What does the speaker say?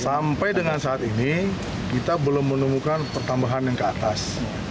sampai dengan saat ini kita belum menemukan pertambahan yang ke atas